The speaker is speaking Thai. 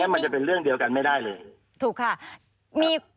อย่างนั้นมันจะเป็นเรื่องเดียวกันไม่ได้เลยถูกค่ะมี